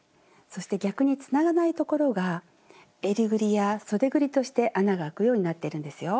そして逆につながないところがえりぐりやそでぐりとして穴が開くようになってるんですよ。